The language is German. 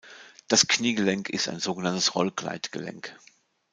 Das Kniegelenk ist ein sogenanntes Roll-Gleit-Gelenk.